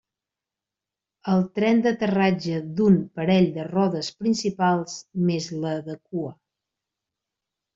El tren d'aterratge d'un parell de rodes principals més la de cua.